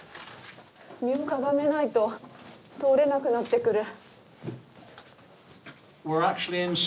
身をかがめないと通れなくなってくる。